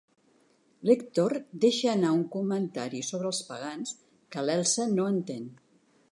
L'Èctor deixa anar un comentari sobre el Pagans que l'Elsa no entén.